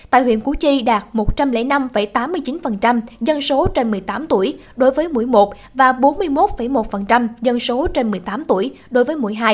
tại huyện củ chi đạt một trăm linh năm tám mươi chín dân số trên một mươi tám tuổi đối với mũi một và bốn mươi một một dân số trên một mươi tám tuổi đối với mũi hai